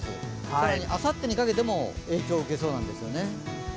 更にあさってにかけても影響を受けそうなんですよね。